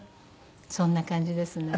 そんな感じですね。